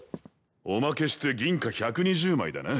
おまけして銀貨１２０枚だな。